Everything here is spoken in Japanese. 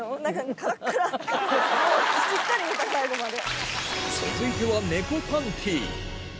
しっかり見た最後まで。